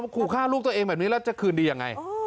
ขู่ฆ่าลูกตัวเองแบบนี้แล้วจะคืนดียังไง